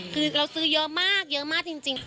คือเราซื้อเยอะมากจริง